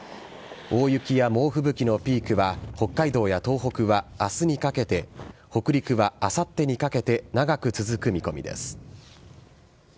大雪や猛吹雪のピークは北海道や東北はあすにかけて、北陸はあさってにかけて長く続く見込みです。